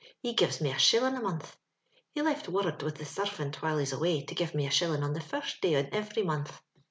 He gives me a shiUing a month. He left worrud with the sarvint while he's away to give me a shilling on the first day in eveiy month.